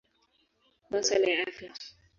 Masuala ya Afya.